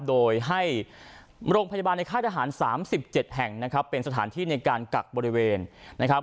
โดยให้โรงพยาบาลในค่ายทหาร๓๗แห่งนะครับเป็นสถานที่ในการกักบริเวณนะครับ